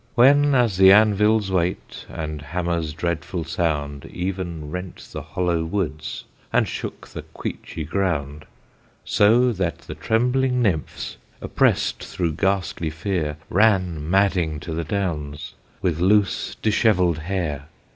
When as the anvil's weight, and hammer's dreadful sound, Even rent the hollow woods and shook the queachy ground; So that the trembling nymphs, oppressed through ghastly fear, Ran madding to the downs, with loose dishevelled hair.